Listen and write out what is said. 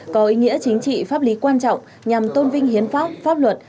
có ý nghĩa chính trị pháp lý quan trọng nhằm tôn vinh hiến pháp pháp luật